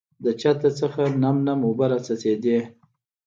د چته نم نم اوبه راڅڅېدې .